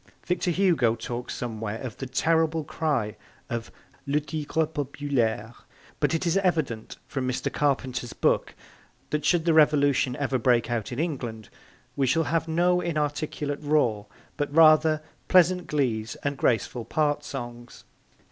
Victor Hugo talks somewhere of the terrible cry of 'Le Tigre Populaire,' but it is evident from Mr. Carpenter's book that should the Revolution ever break out in England we shall have no inarticulate roar but, rather, pleasant glees and graceful part songs.